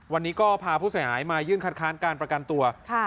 วันนี้ก็พาผู้เสียหายมายื่นคัดค้านการประกันตัว